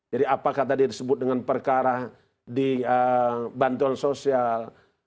jadi apakah tadi disebut dengan perkara di bantuan sosial